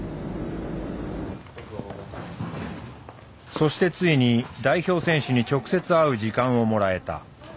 そしてついに代表選手に直接会う時間をもらえた。